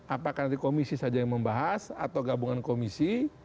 apakah nanti komisi saja yang membahas atau gabungan komisi